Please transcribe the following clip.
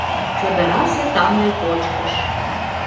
ЧОДЫРАСЕ ТАМЛЕ КОЧКЫШ